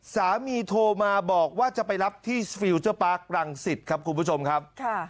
โทรมาบอกว่าจะไปรับที่สฟิลเจอร์ปาร์ครังสิตครับคุณผู้ชมครับ